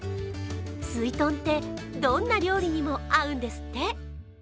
すいとんって、どんな料理にも合うんですって。